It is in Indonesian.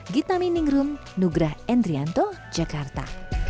gita miningrum nugra endrianto jakarta